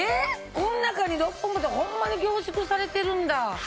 この中に６本分ってホンマに凝縮されてるんだ。